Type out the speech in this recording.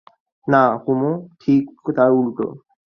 না কুমু, ঠিক তার উলটো।